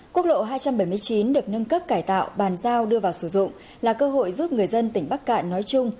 quốc lộ hai trăm bảy mươi chín được nâng cấp cải tạo bàn giao đưa vào sử dụng là cơ hội giúp người dân tỉnh bắc cạn nói chung